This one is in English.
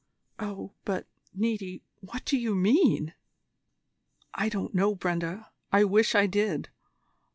"Oh, but, Niti what do you mean?" "I don't know, Brenda. I wish I did.